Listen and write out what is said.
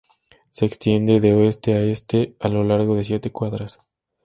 Se extiende de oeste a este a lo largo de siete cuadras.